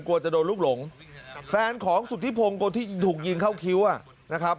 กลัวจะโดนลูกหลงแฟนของสุธิพงศ์คนที่ถูกยิงเข้าคิ้วอ่ะนะครับ